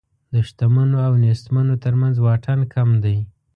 د شتمنو او نېستمنو تر منځ واټن کم دی.